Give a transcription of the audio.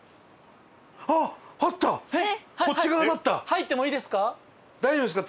入ってもいいですか？